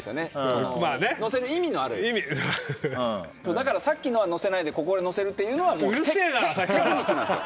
だからさっきのは乗せないでここで乗せるっていうのはテクニックなんですよ。